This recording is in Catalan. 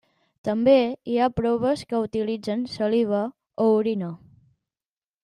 També hi ha proves que utilitzen saliva o orina.